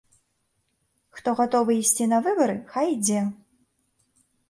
Хто гатовы ісці на выбары, хай ідзе.